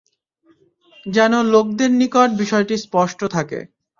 যেন লোকদের নিকট বিষয়টি স্পষ্ট থাকে।